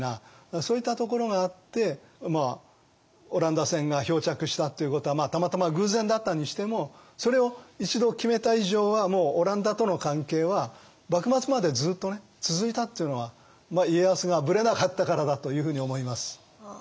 そういったところがあってオランダ船が漂着したっていうことはたまたま偶然だったにしてもそれを一度決めた以上はもうオランダとの関係は幕末までずっと続いたっていうのは家康がブレなかったからだというふうに思います。